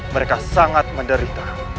mereka sangat menderita